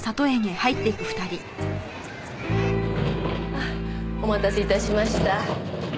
あお待たせ致しました。